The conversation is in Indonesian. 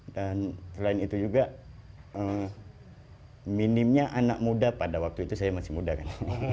dan selain itu juga minimnya anak muda pada waktu itu saya masih muda kan